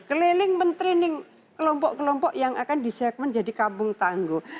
keleling mentraining kelompok kelompok yang akan disegmen jadi kampung tanggo